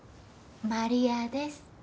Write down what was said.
マリアです。